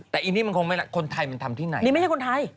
แต่อีนี่มันคงไม่คนไทยมันทำที่ไหนนี่ไม่ใช่คนไทย